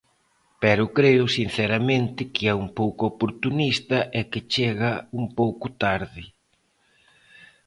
Pero creo, sinceramente, que é un pouco oportunista e que chega un pouco tarde.